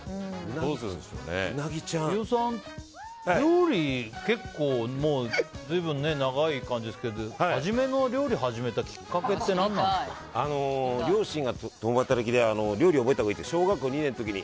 飯尾さん、料理、結構もう随分長い感じですけど料理始めたきっかけって両親が共働きで料理を覚えたほうがいいって小学校２年の時に。